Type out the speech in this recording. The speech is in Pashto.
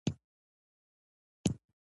ډرامه باید د تجربې زیږنده وي